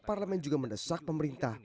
parlemen juga mendesak pemerintah